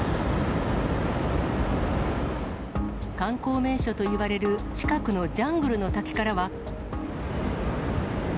観光名所といわれる近くのジャングルの滝からは。